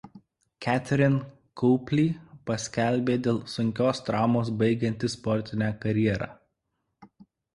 Katherine Copely paskelbė dėl sunkios traumos baigianti sportinę karjerą.